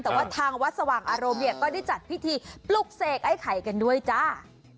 แต่ว่าทางวัดสว่างอารมณ์เนี่ยก็ได้จัดพิธีปลุกเสกไอ้ไข่กันด้วยจ้า